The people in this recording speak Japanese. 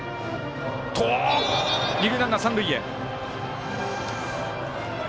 二塁ランナー、三塁へ。